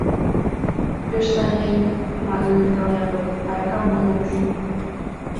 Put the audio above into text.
— Пеш сай еҥ, — манын Микал Япык, — аракам монь ок йӱ...